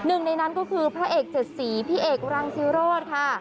หนึ่งในนั้นก็คือพระเอกเจ็ดสีพี่เอกรังสิโรธค่ะ